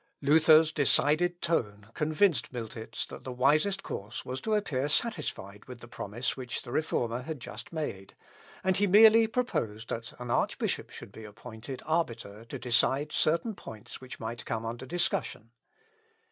Luther's decided tone convinced Miltitz that the wisest course was to appear satisfied with the promise which the Reformer had just made, and he merely proposed that an archbishop should be appointed arbiter to decide certain points which might come under discussion.